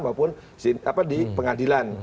maupun di pengadilan